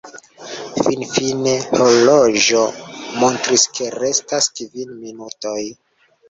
Finfine horloĝo montris ke restas kvin minutoj.